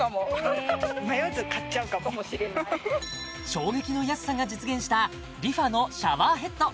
衝撃の安さが実現したＲｅＦａのシャワーヘッド